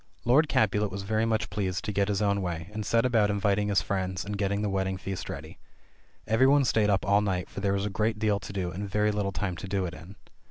Lord Capulet was very much pleased to get his own way, and set about inviting his friends and gettinp the wedding feast ready. Every one stayed up all night, for there was a great deal to do, and very little time to do it in.